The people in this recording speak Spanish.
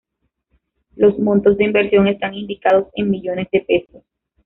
Los montos de inversión están indicados en millones de pesos.